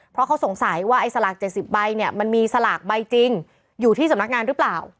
เพราะเขาสงสัยว่าไอ้สลาก๗๐ใบเนี่ยมันมีสลากใบจริงอยู่ที่สำนักงานหรือเปล่า